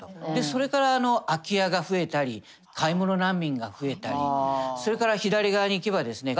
それから空き家が増えたり買い物難民が増えたりそれから左側に行けばですね